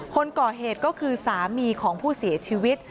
คนก่อเหตุก็คือสามีของผู้เสียชีวิต